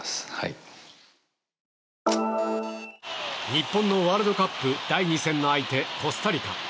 日本のワールドカップ第２戦の相手、コスタリカ。